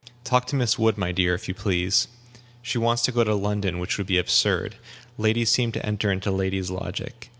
Talk to Miss Wood, my dear, if you please. She wants to go to London, which would be absurd. Ladies seem to enter into ladies' logic.